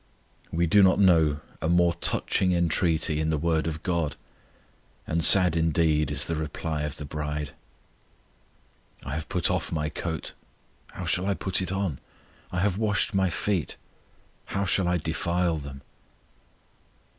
We do not know a more touching entreaty in the Word of GOD, and sad indeed is the reply of the bride: I have put off my coat; how shall I put it on? I have washed my feet; how shall I defile them?